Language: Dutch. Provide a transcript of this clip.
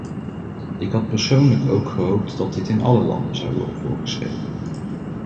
Ik had persoonlijk ook gehoopt dat dit in alle landen zou worden voorgeschreven.